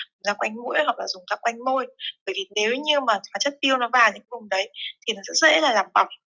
vùng da quanh mũi hoặc là vùng da quanh môi bởi vì nếu như mà hóa chất piêu nó vào những vùng đấy thì nó sẽ dễ là làm bỏng